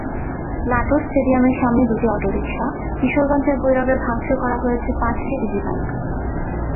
নাটোর স্টেডিয়ামের সামনে দুটি অটোরিকশা, কিশোরগঞ্জের ভৈরবে ভাঙচুর করা হয়েছে পাঁচটি ইজিবাইক।